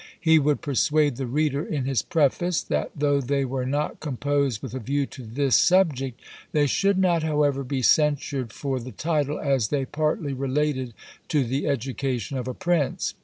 He would persuade the reader in his preface, that though they were not composed with a view to this subject, they should not, however, be censured for the title, as they partly related to the education of a prince.